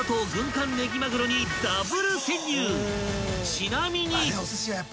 ［ちなみに］